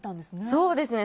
そうですね。